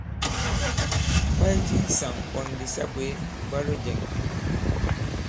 Kwaye ki ŋsàŋ pōn di sa bwě, ìbwalo jɛ̄ŋ!